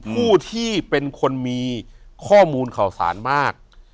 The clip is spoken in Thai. ผู้ที่เป็นคนมีข้อมูลข่าวสารมาก